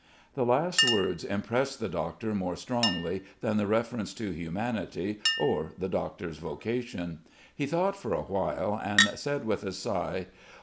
The last words impressed the doctor more strongly than the references to humanity or the doctor's vocation. He thought for a while and said with a sigh.